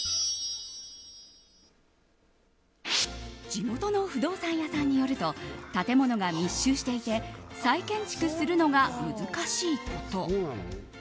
地元の不動産屋さんによると建物が密集していて再建築するのが難しいこと。